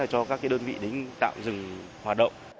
cho các đơn vị đánh tạm dừng hoạt động